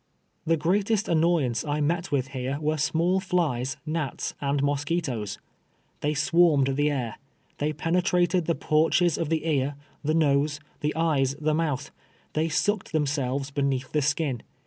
The greatest annoyance I met with here were small flies, gnats and mosquitoes. They swarmed the air. They penetrated the porches of the ear, the nose, the eyes, the mouth. They sucked themselves beneath the skin.